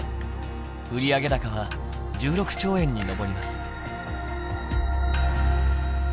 売上高は１６兆円に上ります。